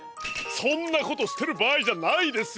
そんなことしてるばあいじゃないですよ！